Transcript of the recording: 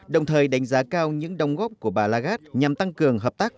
đồng thời đánh giá cao những đồng góp của bà lagarde nhằm tăng cường hợp tác